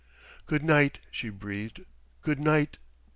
"Good night," she breathed "good night